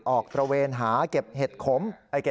ออกประเวนหาเก็บเห็ดโขม